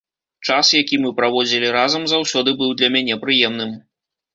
Час, які мы праводзілі разам, заўсёды быў для мяне прыемным.